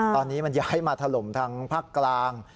ตอนนี้มันย้ายมาถล่มทางภาคกลาง